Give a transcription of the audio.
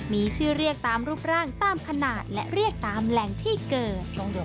มีชื่อเรียกตามรูปร่างตามขนาดและเรียกตามแหล่งที่เกิด